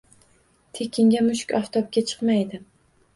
Tekinga mushuk oftobga chiqmaydi